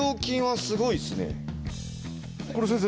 これ先生